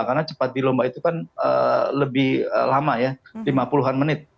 karena cepat di lomba itu kan lebih lama ya lima puluh an menit